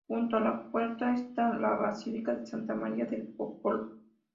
Junto a la puerta está la basílica de Santa María del Popolo.